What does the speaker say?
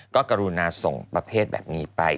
ก็กรุณาส่งประเภทแบบนี้ไป